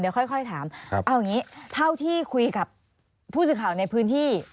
ค่อยถามเอาอย่างนี้เท่าที่คุยกับผู้สื่อข่าวในพื้นที่